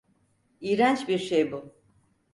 İğrenç bir şey bu.